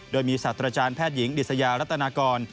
โดยมีศาสตราจารย์แพทย์หญิงดิสยารัตนากร